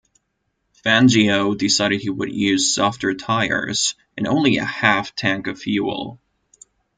Fangio decided he would use softer tyres, and only a half tank of fuel.